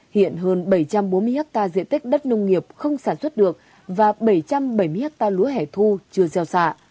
hiện hơn bảy trăm bốn mươi hectare diện tích đất nông nghiệp không sản xuất được và bảy trăm bảy mươi hectare lúa hẻ thu chưa gieo xạ